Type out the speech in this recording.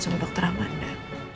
sama dokter amanda